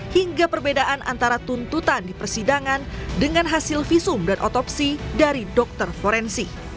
hingga perbedaan antara tuntutan di persidangan dengan hasil visum dan otopsi dari dokter forensik